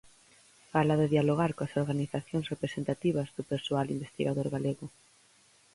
Fala de dialogar coas organizacións representativas do persoal investigador galego.